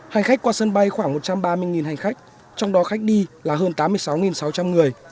hành khách qua sân bay khoảng một trăm ba mươi hành khách trong đó khách đi là hơn tám mươi sáu sáu trăm linh người